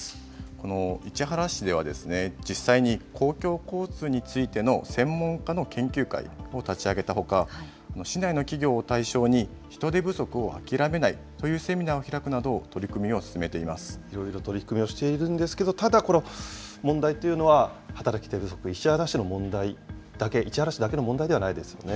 この市原市では、実際に公共交通についての専門家の研究会を立ち上げたほか、市内の企業を対象に、人手不足をあきらめないというセミナーを開くなど取り組みを進めいろいろ取り組みをしているんですけど、ただ、この問題というのは、働き手不足、市原市の問題だけ、市原市だけの問題じゃないですよね。